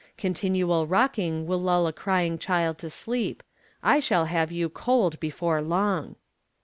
Continual rocking will lull a crying child to sleep. I shall have you cold before long!"